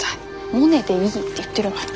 モネでいいって言ってるのに。